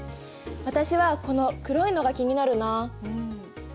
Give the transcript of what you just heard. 私はこの黒いのが気になるな。